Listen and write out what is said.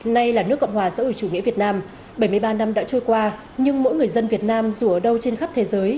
nay là nước cộng hòa xã hội chủ nghĩa việt nam bảy mươi ba năm đã trôi qua nhưng mỗi người dân việt nam dù ở đâu trên khắp thế giới